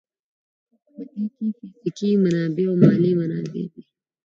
په دې کې فزیکي منابع او مالي منابع دي.